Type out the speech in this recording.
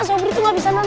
sobri tuh gak bisa nendang